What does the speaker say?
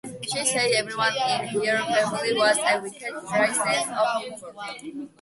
She says everyone in her family has a wicked, dry sense of humour.